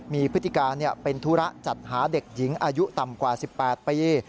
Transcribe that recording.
มีพฤติการเป็นธุระจัดหาเด็กหญิงอายุต่ำกว่า๑๘ปี